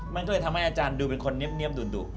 มันก็เลยทำให้อาจารย์ดูเป็นคนเงียบดุ